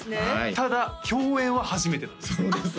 ただ共演は初めてなんですよ